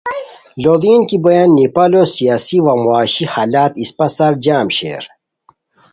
لوڑین کی بویان نیپالو سیاسی وا معاشی حالت اسپہ سار جم شیر